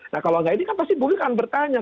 nah kalau nggak ini kan pasti publik akan bertanya